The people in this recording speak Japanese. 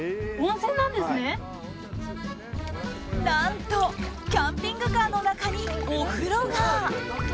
何とキャンピングカーの中にお風呂が！